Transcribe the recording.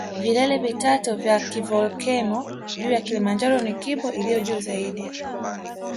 Vilele vitatu vya kivolkeno juu ya Kilimanjaro ni Kibo iliyo juu zaidi